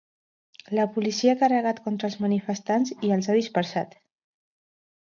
La policia ha carregat contra els manifestants i els ha dispersat.